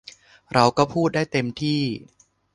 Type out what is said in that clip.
เราก็พูดได้เต็มที่